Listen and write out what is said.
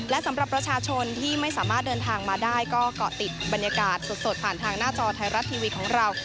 และสำหรับประชาชนที่ไม่สามารถเดินทางมาได้ก็เกาะติดบรรยากาศสดผ่านทางหน้าจอไทยรัฐทีวีของเรา